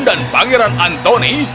dan pangeran anthony